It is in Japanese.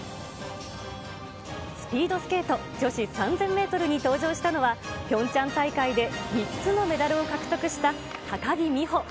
スピードスケート女子３０００メートルに登場したのは、ピョンチャン大会で３つのメダルを獲得した高木美帆。